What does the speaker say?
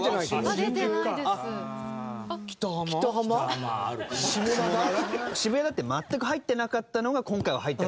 ウエンツ：渋谷だって全く入ってなかったのが今回は入ってた。